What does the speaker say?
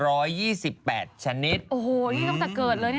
โอ้โหนี่ต้องจากเกิดเลยเนี่ยนะ